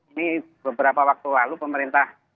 ini beberapa waktu lalu pemerintah